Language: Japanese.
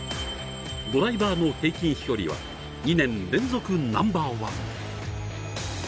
ドライバーの平均飛距離は２年連続ナンバーワン。